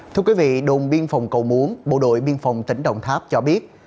thưa quý vị đồn biên phòng cầu muốn bộ đội biên phòng tỉnh đồng tháp cho biết